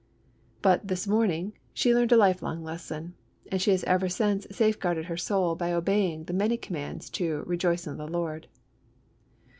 But that morning she learned a lifelong lesson, and she has ever since safeguarded her soul by obeying the many commands to "Rejoice in the Lord."